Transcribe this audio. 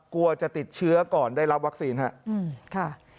กลัวจะติดเชื้อก่อนได้รับวัคซีนครับ